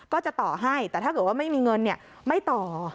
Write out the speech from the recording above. ก็จะต่อให้แต่ถ้าเกิดว่าไม่มีเงินไม่ต่อ